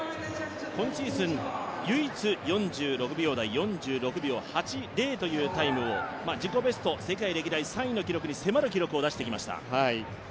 今シーズン、唯一４６秒台、４６秒８０というタイムを、自己ベスト、世界歴代３位に迫る記録を出してきました。